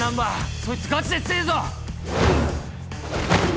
そいつガチで強えぞ！